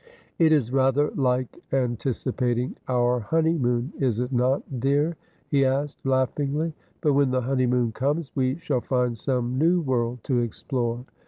' It is rather like anticipating our honeymoon, is it not, dear ?' he asked laughingly. ' But when the honeymoon comes we shall find some new world to explore.'